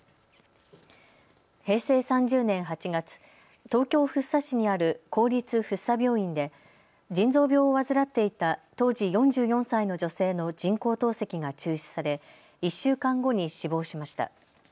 平成３０年８月、東京福生市にある公立福生病院で腎臓病を患っていた当時４４歳の女性の人工透析が中止され１週間後に死亡しました。